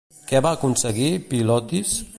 Què va aconseguir Philotis?